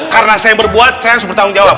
karena saya yang berbuat saya yang bertanggung jawab